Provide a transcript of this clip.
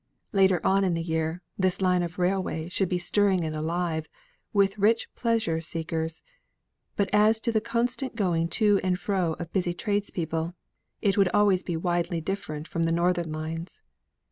Later on in the year, this line of railway should be stirring and alive with rich pleasure seekers; but as to the constant going to and fro of busy tradespeople it would always be widely different from the northern lines.